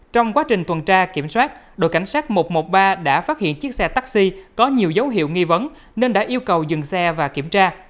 trong quá trình tuần tra kiểm soát đội cảnh sát một trăm một mươi ba đã phát hiện chiếc xe taxi có nhiều dấu hiệu nghi vấn nên đã yêu cầu dừng xe và kiểm tra